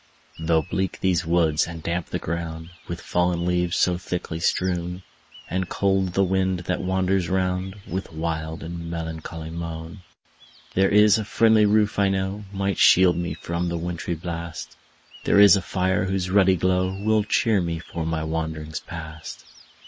Though bleak these woods, and damp the ground With fallen leaves so thickly strown, And cold the wind that wanders round With wild and melancholy moan; There IS a friendly roof, I know, Might shield me from the wintry blast; There is a fire, whose ruddy glow Will cheer me for my wanderings past.